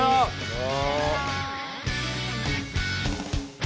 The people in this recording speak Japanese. うわ！